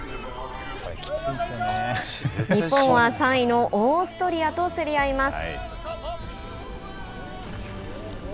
日本は３位のオーストリアと競り合います。